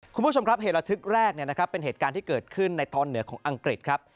คุณผู้ชมครับเหตุระทึกแรกเป็นเหตุการณ์ที่เกิดขึ้นในตอนเหนือของอังกฤษครับ